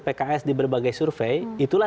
pks di berbagai survei itulah